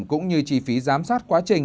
cũng như chi phí giám sát quá trình